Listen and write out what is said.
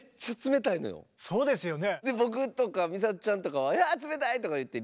そうですよね。